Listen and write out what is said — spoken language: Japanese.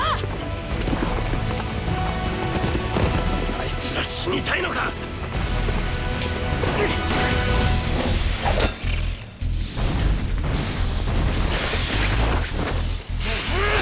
あいつら死にたいのか⁉フゥッ！！